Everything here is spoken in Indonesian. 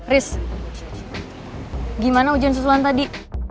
ris gimana ujian susulan tadi